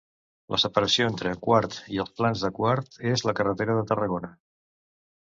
La separació entre Quart i els Plans de Quart és la carretera de Tarragona.